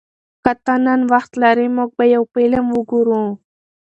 که ته نن وخت لرې، موږ به یو فلم وګورو.